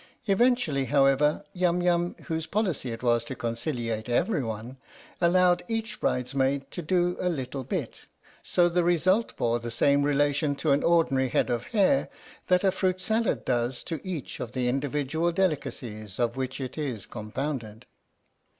Eventually, however, Yum Yum, whose policy it was to conciliate everyone, allowed each bridesmaid to do a little bit, so the result bore the same relation to an ordinary head of hair that a fruit salad does to each of the individual delicacies of which it is compounded.